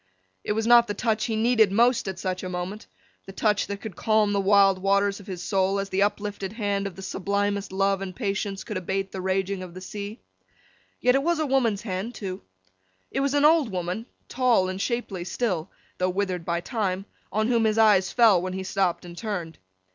It was not the touch he needed most at such a moment—the touch that could calm the wild waters of his soul, as the uplifted hand of the sublimest love and patience could abate the raging of the sea—yet it was a woman's hand too. It was an old woman, tall and shapely still, though withered by time, on whom his eyes fell when he stopped and turned.